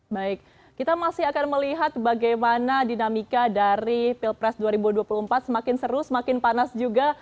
baik kita masih akan melihat bagaimana dinamika dari pilpres dua ribu dua puluh empat semakin seru semakin panas juga